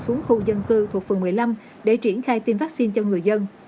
xuống khu dân cư thuộc phường một mươi năm để triển khai tiêm vaccine cho người dân